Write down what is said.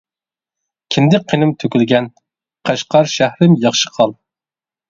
كىندىك قېنىم تۆكۈلگەن، قەشقەر شەھىرىم ياخشى قال.